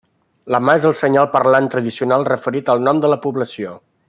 La mà és el senyal parlant tradicional referit al nom de la població.